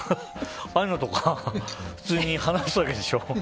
ああいうのとか普通に話すわけでしょ。